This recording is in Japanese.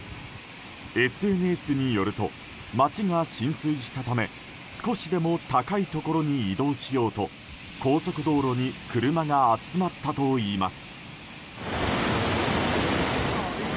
ＳＮＳによると街が浸水したため少しでも高いところに移動しようと高速道路に車が集まったといいます。